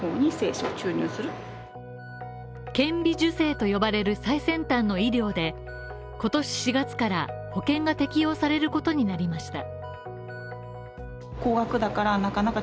顕微授精と呼ばれる最先端の医療で今年４月から保険が適用されることになりました。